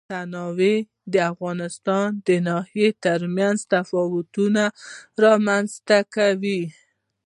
تنوع د افغانستان د ناحیو ترمنځ تفاوتونه رامنځ ته کوي.